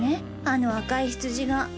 あの赤いヒツジが。